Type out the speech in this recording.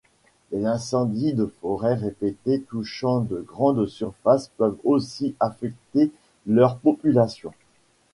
Les incendies de forêt répétés touchant de grandes surfaces peuvent aussi affecter leurs populations.